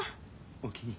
おおきに。